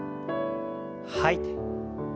吐いて。